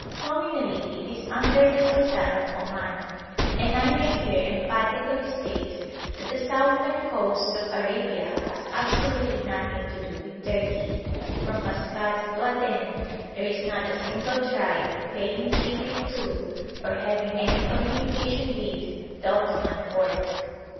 Nominally it is under the sultan of Oman, and I may here emphatically state that the southern coast of Arabia has absolutely nothing to do with Turkey from Maskat to Aden there is not a single tribe paying tribute to, or having any communication with, the Ottoman Porte.